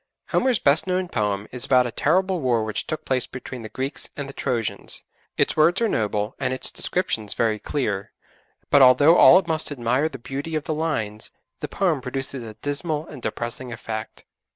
Homer's best known poem is about a terrible war which took place between the Greeks and the Trojans. Its words are noble, and its descriptions very clever, but although all must admire the beauty of the lines, the poem produces a dismal and depressing effect.